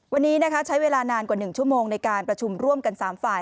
วันนี้นะคะใช้เวลานานกว่า๑ชั่วโมงในการประชุมร่วมกัน๓ฝ่าย